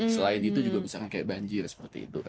selain itu juga bisa kayak banjir seperti itu kan